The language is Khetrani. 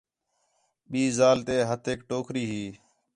ٻئی ذال تے ہتھیک ٹوکری ہی